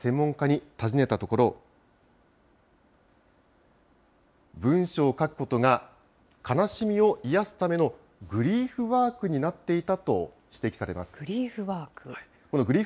この心の変化について、ディレクターが専門家に尋ねたところ、文章を書くことが、悲しみをいやすためのグリーフワークになっていたと指摘されます。